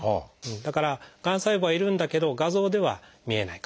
だからがん細胞はいるんだけど画像では見えない。